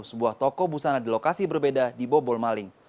sebuah toko busana di lokasi berbeda dibobol maling